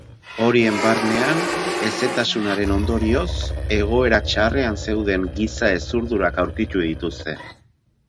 Horien barnean, hezetasunaren ondorioz egoera txarrean zeuden giza hezurdurak aurkitu dituzte.